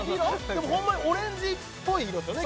でもホンマにオレンジっぽい色ですよね